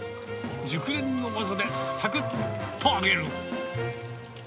熟練の技でさくっと揚げる。